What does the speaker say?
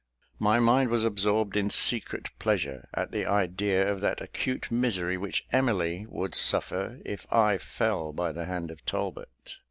My mind was absorbed in secret pleasure, at the idea of that acute misery which Emily would suffer if I fell by the hand of Talbot.